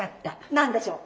何でしょう？